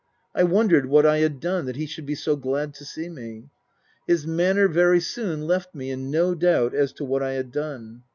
I wondered what I had done that he should be so glad to see me. His manner very soon left me in no doubt as to what I had done.